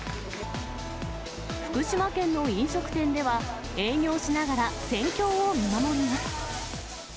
福島県の飲食店では、営業しながら、戦況を見守ります。